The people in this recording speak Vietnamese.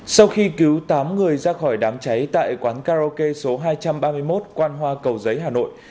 sau khi cứu tám người ra khỏi đám cháy tại quán karaoke số hai trăm ba mươi một quan hoa cầu giấy hà nội